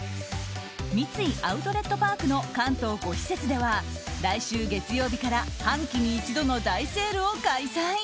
三井アウトレットパークの関東５施設では来週月曜日から半期に一度の大セールを開催。